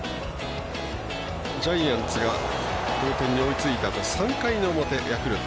ジャイアンツが同点に追いついたあと３回の表、ヤクルト。